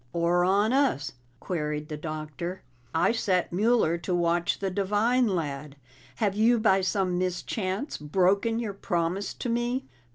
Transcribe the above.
"Or on us?" queried the Doctor. "I set Mueller to watch the Devine lad. Have you by some mischance broken your promise to me?"